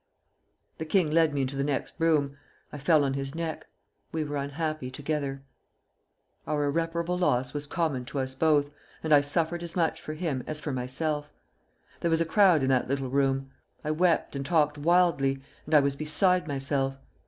"The king led me into the next room. I fell on his neck. We were unhappy together. Our irreparable loss was common to us both, and I suffered as much for him as for myself. There was a crowd in that little room. I wept and talked wildly, and I was beside myself.